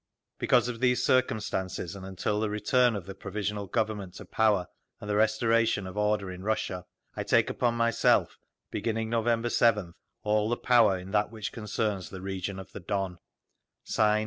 Because of these circumstances, and until the return of the Provisional Government to power, and the restoration of order in Russia, I take upon myself, beginning November 7th, all the power in that which concerns the region of the Don.